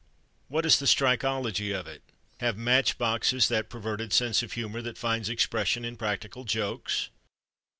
What is the strikeology of it? Have match boxes that perverted sense of humor that finds expression in practical jokes?